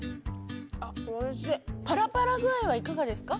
あっおいしいパラパラ具合はいかがですか？